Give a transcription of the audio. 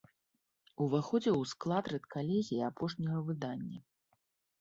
Уваходзіў у склад рэдкалегіі апошняга выдання.